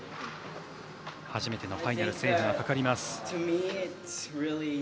初めてのファイナル制覇がかかります。